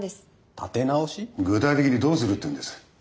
具体的にどうするっていうんです？